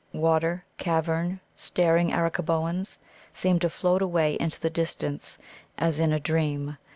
Water, cavern, staring Arakkaboans, seemed to float away into the distance, as in a dream.